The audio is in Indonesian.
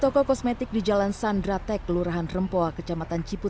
puan dikempel saya motor ini